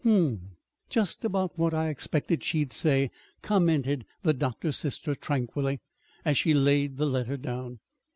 "Hm m; just about what I expected she'd say," commented the doctor's sister tranquilly, as she laid the letter down.